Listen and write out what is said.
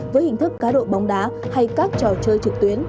với hình thức cá độ bóng đá hay các trò chơi trực tuyến